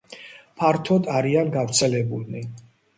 ფართოდ არიან გავრცელებულნი.